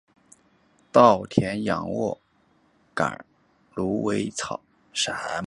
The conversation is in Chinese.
稻田仰卧秆藨草为莎草科藨草属下的一个变种。